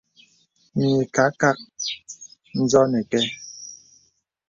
Mə ìkâ kak ǹzɔ̄ nə kɛ̂.